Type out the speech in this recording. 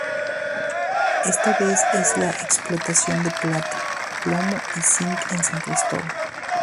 Esta vez es la explotación de plata, plomo y zinc en San Cristóbal.